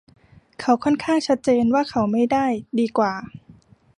เขาค่อนข้างชัดเจนว่าเขาไม่ได้ดีกว่า